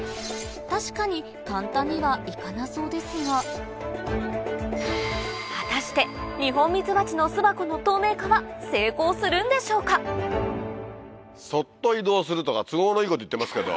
確かに簡単にはいかなそうですが果たしてニホンミツバチの巣箱のそっと移動するとか都合のいいこと言ってますけど。